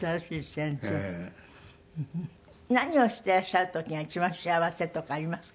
何をしていらっしゃる時が一番幸せとかありますか？